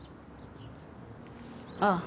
ああ。